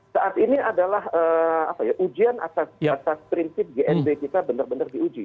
saat ini adalah ujian atas prinsip gnb kita benar benar diuji